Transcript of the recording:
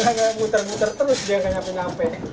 hanya muter muter terus dia nggak nyampe nyampe